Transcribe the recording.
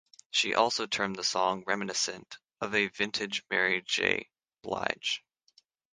'" She also termed the song "reminiscent of a vintage Mary J. Blige.